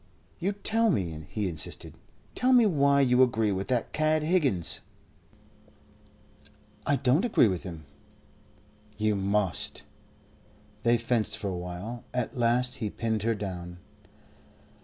"Yes, tell me," he insisted. "Tell me why you agree with that cad Higgins?" "I don't agree with him." "You must." They fenced for a while. At last he pinned her down.